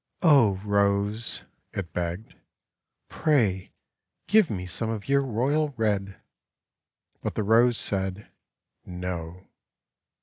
:<Oh, Rose," it begged, "pray give me some of your royal red," but the Rose said 'No."